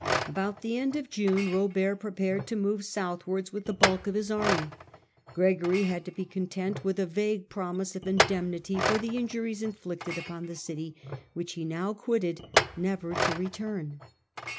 About the end of June Robert prepared to move southwards with the bulk of his army. Gregory had to Gregory ^® contont with a vague promise of indemnity quits Rome f^p ^Jjq injuries inflicted upon the city, which he now quitted never to return.